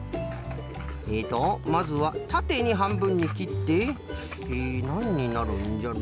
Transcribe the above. えっとまずはたてにはんぶんにきってえなんになるんじゃろ。